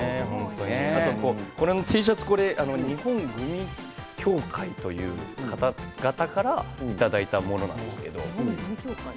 このＴシャツは日本グミ協会という方々からいただいたものです。